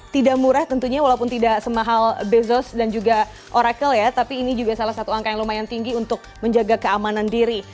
tidak murah tentunya walaupun tidak semahal bezos dan juga oracle ya tapi ini juga salah satu angka yang lumayan tinggi untuk menjaga keamanan diri